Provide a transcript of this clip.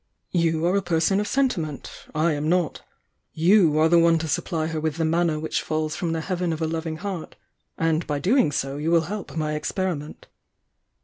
"You are a person of sentiment— 1 am not. You are the one to supply her with the manna which falls from the heaven of a loymg heart. And by doing so you wiU help my experiment.